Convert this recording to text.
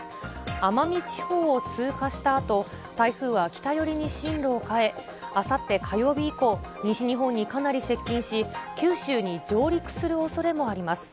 奄美地方を通過したあと、台風は北寄りに進路を変え、あさって火曜日以降、西日本にかなり接近し、九州に上陸するおそれもあります。